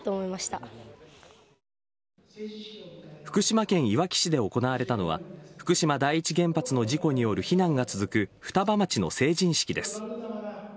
福島県いわき市で行われたのは福島第一原発の事故による避難が続く双葉町の成人式です。